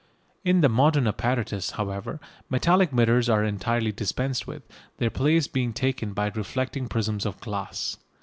In the modern apparatus, however, metallic mirrors are entirely dispensed with, their place being taken by reflecting prisms of glass.